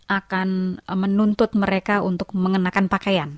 akan menuntut mereka untuk mengenakan pakaian